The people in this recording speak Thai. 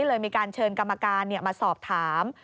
ถึงคือมีการเชิงกรรมากามสอบถาม